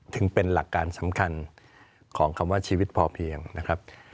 ถึงเป็นหลักการสำคัญของคำว่าชีวิตพอเพียงนะครับ